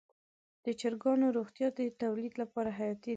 د چرګانو روغتیا د تولید لپاره حیاتي ده.